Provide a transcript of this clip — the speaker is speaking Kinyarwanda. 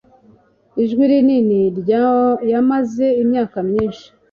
ijwi rinini yamaze imyaka myinshi